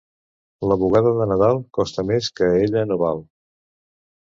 La bugada de Nadal costa més que ella no val.